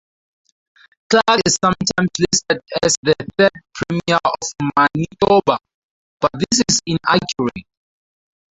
Clarke is sometimes listed as the third Premier of Manitoba, but this is inaccurate.